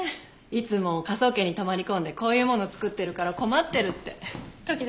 いつも科捜研に泊まり込んでこういうもの作ってるから困ってるって時々聞いてました。